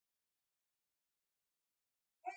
ایا مصنوعي ځیرکتیا د کلتوري تفاوتونو درک نه لري؟